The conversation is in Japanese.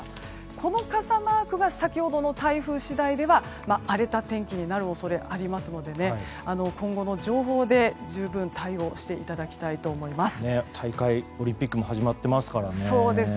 この傘マークが先ほどの台風次第では荒れた天気になる恐れがありますので今後の情報で十分対応していただきたいと思います。